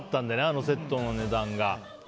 あのセットの値段が。